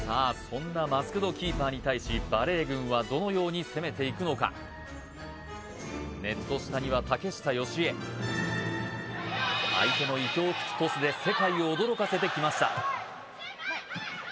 そんなマスク・ド・キーパーに対しバレー軍はどのように攻めていくのかネット下にはで世界を驚かせてきました